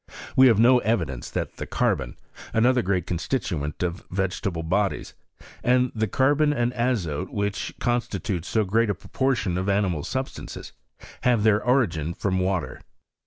We have no evidence that the carbon, another great consti taent of vegetable bodi^, and the carbon and azote vhich constitute so great a proportion of animal substances, have their origin from water.